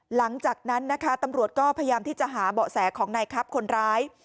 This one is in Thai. หลังจากนั้นนะคะตำรวจก็พยายามที่จะหาเบาะแสของนายครับคนร้าย